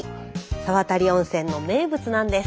沢渡温泉の名物なんです。